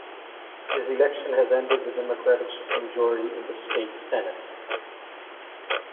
His election has ended the Democratic supermajority in the State Senate.